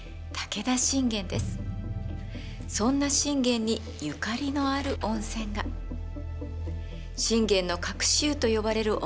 そんな信玄にゆかりのある温泉が「信玄の隠し湯」と呼ばれる温泉です。